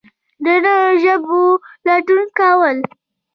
د نویو ژوندونو لټون کول